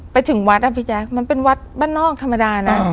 ไปถึงวัดอะพี่แจ๊คมันเป็นวัดบ้านนอกธรรมดานะ